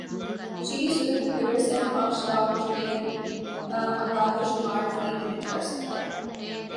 چینی super computer Summit پانچ lakh trillion اعدادوشمار فی منٹ کر سکتا ہے